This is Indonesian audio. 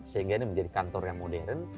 sehingga ini menjadi kantor yang modern